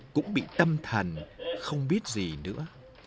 cũng bị tâm thần không biết gì nữa